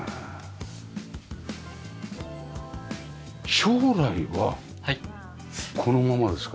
将来はこのままですか？